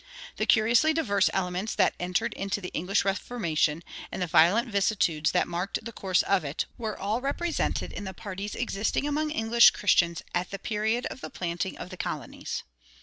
The curiously diverse elements that entered into the English Reformation, and the violent vicissitudes that marked the course of it, were all represented in the parties existing among English Christians at the period of the planting of the colonies.